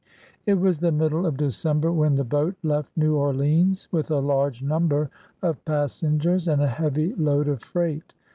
It was the middle of December when the boat left New Orleans, with a large number of passen gers and a heavy load of freight.